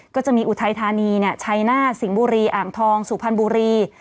ก็จะมีอุทัยธานีชัยหน้าสิงห์บุรีอ่างทองสุพรรณบุรี